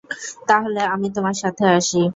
তাহলে, আমি তোমার সাথে আসি।